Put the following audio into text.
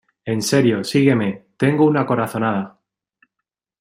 En serio, sígueme, tengo una corazonada.